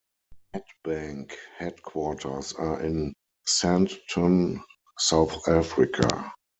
Nedbank headquarters are in Sandton, South Africa.